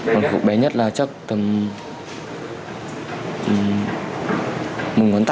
một phút bé nhất là chắc tầm một ngón tay ạ